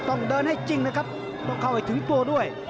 ต้องเดินให้จริงนะครับต้องเข้าให้ถึงตัวด้วย